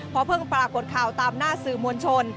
เพราะเพิ่งปรากฏข่าวตามหน้าสื่อมวลชน